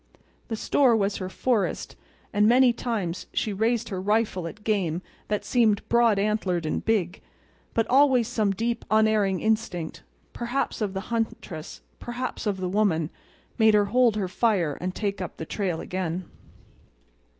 The store was her forest; and many times she raised her rifle at game that seemed broad antlered and big; but always some deep unerring instinct—perhaps of the huntress, perhaps of the woman—made her hold her fire and take up the trail again.